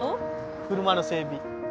車の整備。